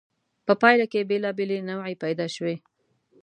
په پایله کې بېلابېلې نوعې پیدا شوې.